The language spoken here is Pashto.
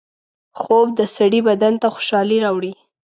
خوب د سړي بدن ته خوشحالۍ راوړي